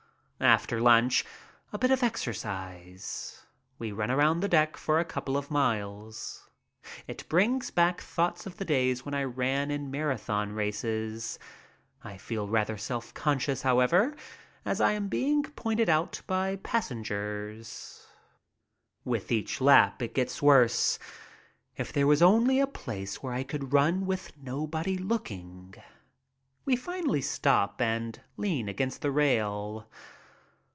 After lunch a bit of exercise. We run around the deck for a couple of miles. It brings back thoughts of the days when I ran in Marathon races. I feel rather self conscious, however, as I am being pointed out by passengers. With 26 MY TRIP ABROAD each lap it gets worse. If there was only a place where I could run with nobody looking. We finally stop and lean against the rail.